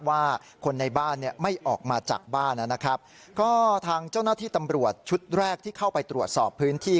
ว่าคนในบ้านเนี่ยไม่ออกมาจากบ้านนะครับก็ทางเจ้าหน้าที่ตำรวจชุดแรกที่เข้าไปตรวจสอบพื้นที่